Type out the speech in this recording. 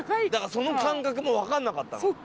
その感覚も分かんなかったの。